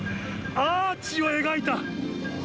アーチを描いた。